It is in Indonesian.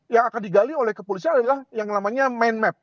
yang akan digali oleh kepolisian adalah yang namanya main map